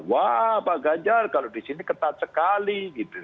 wah pak ganjar kalau di sini ketat sekali gitu